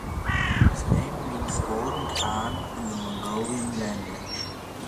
His name means "Golden Khan" in the Mongolian language.